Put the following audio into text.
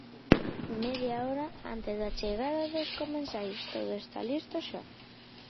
Media hora antes da chegada dos comensais todo está listo xa.